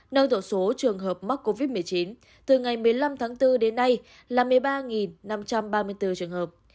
nâng tổng số trường hợp mắc covid một mươi chín từ ngày một mươi năm tháng bốn đến nay là một mươi ba năm trăm ba mươi bốn trường hợp